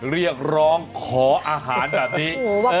เรียกร้องขออาหารแบบนี้